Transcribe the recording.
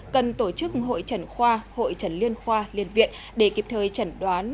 cần tổ chức hội trần khoa hội trần liên khoa liên viện để kịp thời chẩn đoán